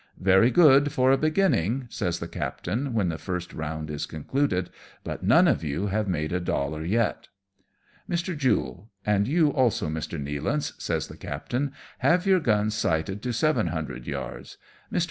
Very good for a beginning," says the captain, when the first round is concluded, " but none of you have made a dollar yet." " Mr. Jule, and you, also, Mr. Nealance," says the captain, "have your guns sighted to seven hundred yards. Mr.